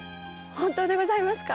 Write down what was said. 本当でございますか？